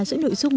giữa nội dung